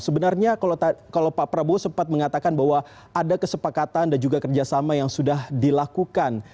sebenarnya kalau pak prabowo sempat mengatakan bahwa ada kesepakatan dan juga kerjasama yang sudah dilakukan